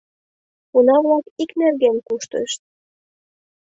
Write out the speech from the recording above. Уна-влак ик нерген куштышт.